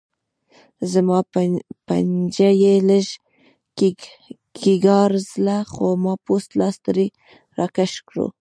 زما پنجه یې لږه کېګاږله خو ما پوست لاس ترې راکش کړو.